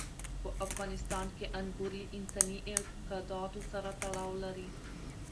په افغانستان کې انګور له انساني اعتقاداتو سره تړاو لري.